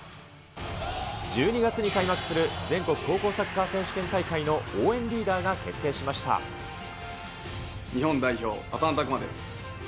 １２月に開幕する全国高校サッカー選手権大会の応援リーダーが決日本代表、浅野拓磨です。